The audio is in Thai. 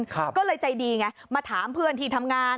ก็เลยใจดีไงมาถามเพื่อนที่ทำงาน